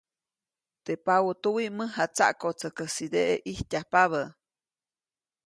Teʼ paʼutuwi mäjatsaʼkotsäjkäsideʼe ʼijtyajpabä.